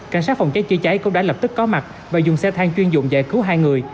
cảnh sát phòng cháy chữa cháy cũng đã lập tức có mặt và dùng xe thang chuyên dụng giải cứu hai người